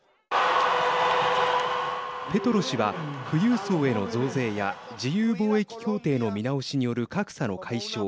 ペトロ氏は富裕層への増税や自由貿易協定の見直しによる格差の解消